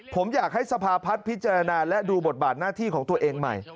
ผมอยากให้สภาพัฒน์พิจารณาและดูบทบาทหน้าที่ของตัวเองใหม่